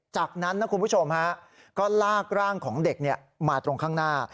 จากนั้นนะคุณผู้ชมก็ลากร่างของเด็กมาตรงข้างหน้า